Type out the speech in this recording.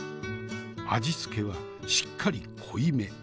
味付けはしっかり濃いめ。